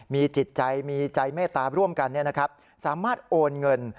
มีจิตใจมีใจเมตตาร่วมกันสามารถโอนเงิน